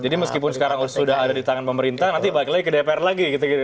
jadi meskipun sekarang sudah ada di tangan pemerintah nanti balik lagi ke dpr lagi gitu